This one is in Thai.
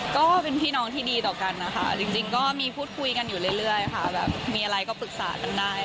ก็เป็นพี่น้องที่ดีต่อกันนะคะจริงก็มีพูดคุยกันอยู่เรื่อยค่ะแบบมีอะไรก็ปรึกษากันได้